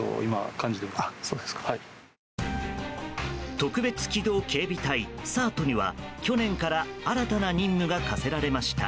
特別機動警備隊ＳｅＲＴには去年から新たな任務が課せられました。